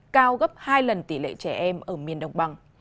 cao gấp hai lần tỷ lệ trẻ em ở miền đồng bằng